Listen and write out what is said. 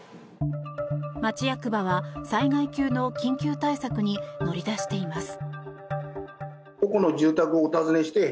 町役場は、災害級の緊急対策に乗り出しています。